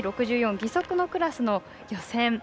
義足のクラスの予選。